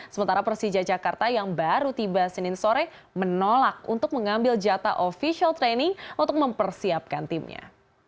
sementara persija jakarta yang baru tiba senin sore menolak untuk mengambil jatah official training untuk mempersiapkan timnya